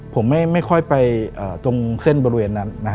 ผมไม่ค่อยไปตรงเส้นบริเวณนั้น